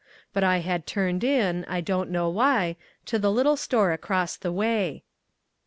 But I had turned in, I don't know why, to the little store across the way.